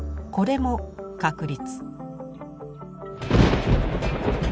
これも確率。